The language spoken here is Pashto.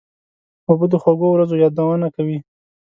اوبه د خوږو ورځو یادونه کوي.